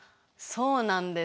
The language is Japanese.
そうなんです。